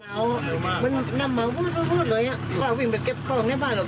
นอนแมวนำม้าวูดโพ่โพ่เลยอะ